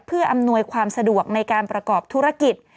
เพื่ออำนวยความสะดวกในการประกอบธุรกิจ